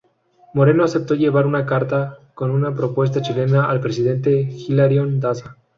Moreno aceptó llevar una carta con una propuesta chilena al presidente Hilarión Daza.